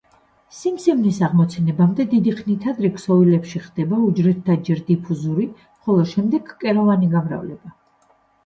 სიმსივნის აღმოცენებამდე დიდი ხნით ადრე ქსოვილებში ხდება უჯრედთა ჯერ დიფუზური, ხოლო შემდეგ კეროვანი გამრავლება.